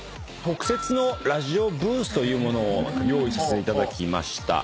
特設のラジオブースというものを用意させていただきました。